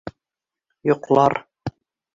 Йоҡлар...